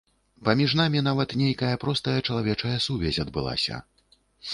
Паміж намі нават нейкая простая чалавечая сувязь адбылася.